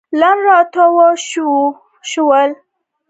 لنډ راتاو شول.